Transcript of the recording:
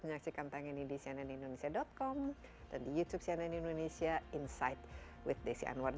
menyaksikan tangani di cnn indonesia com dan di youtube cnn indonesia inside with desi anwar